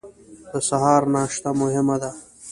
د سهار ناشته مهمه ده